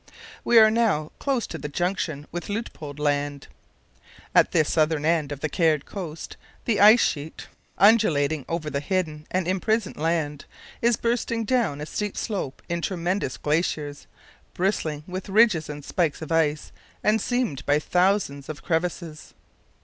We are now close to the junction with Luitpold Land. At this southern end of the Caird Coast the ice sheet, undulating over the hidden and imprisoned land, is bursting down a steep slope in tremendous glaciers, bristling with ridges and spikes of ice and seamed by thousands of crevasses.